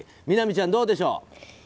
みなみちゃん、どうでしょう？